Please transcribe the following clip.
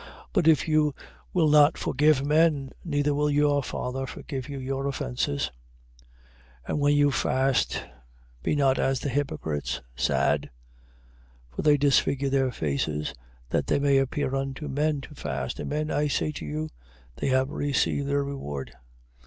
6:15. But if you will not forgive men, neither will your Father forgive you your offences. 6:16. And when you fast, be not as the hypocrites, sad. For they disfigure their faces, that they may appear unto men to fast. Amen I say to you, they have received their reward.